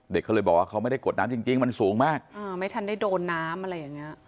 เด็กเขาเลยบอกว่าเขาไม่ได้กดน้ำจริงจริงมันสูงมากอ่าไม่ทันได้โดนน้ำอะไรอย่างเงี้ย